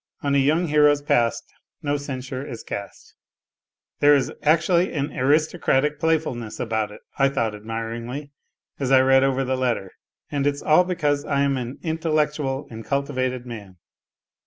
" On a young hero's past no censure is cast !"" There is actually an aristocratic playfulness about it !" I thought admiringly, as I read over the letter. And it's all because I am an intellectual and cultivated man